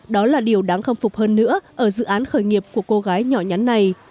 đó là điều đáng khâm phục hơn nữa ở dự án khởi nghiệp của cô gái nhỏ nhắn này